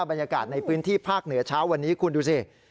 บรรยากาศในพื้นที่ภาคเหนือเช้าวันนี้คุณดูสิ